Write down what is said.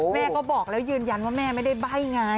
แม่ก็บอกแล้วยืนยันว่าแม่ไม่ได้ใบ้ไง